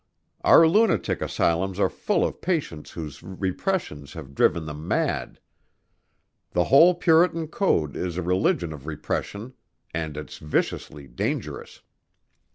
Our lunatic asylums are full of patients whose repressions have driven them mad. The whole Puritan code is a religion of repression and it's viciously dangerous."